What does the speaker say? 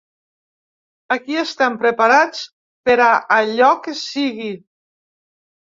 Aquí estem preparats per a allò que sigui.